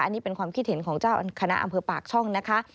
อันนี้เป็นความคิดเห็นของเจ้าคณะอำเภอปากช่องนะคะ